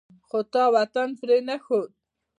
خو تا وطن پرې نه ښود.